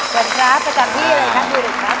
เชิญครับประจำที่เลยครับดีริกครับ